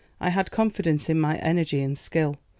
I had confidence in my energy and skill.